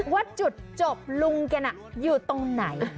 ว่าจุดจบลุงแกน่ะอยู่ตรงไหน